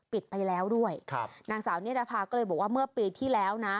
ปิดไปแล้วด้วยครับนางสาวนิรภาก็เลยบอกว่าเมื่อปีที่แล้วนะ